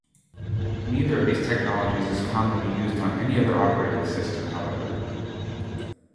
Neither of these technologies is commonly used on any other operating system, however.